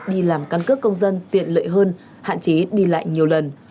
đi làm căn cước công dân tiện lợi hơn hạn chế đi lại nhiều lần